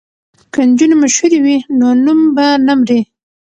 که نجونې مشهورې وي نو نوم به نه مري.